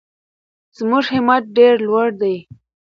زموږ همت ډېر لوړ دی.